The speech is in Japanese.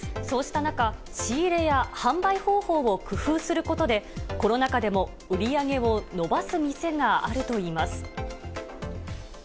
そうした中、仕入れや販売方法を工夫することで、コロナ禍でも売り上げを伸ばす店があるといいます。